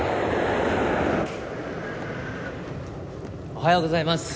「おはようございます。